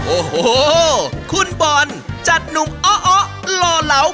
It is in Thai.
โอ้โหคุณบอลจัดหนุ่มอ้อหล่อเหลา